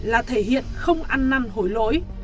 là thể hiện không ăn năn hối lỗi